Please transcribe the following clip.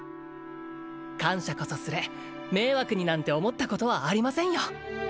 感謝こそすれ迷惑になんて思ったことはありませんよ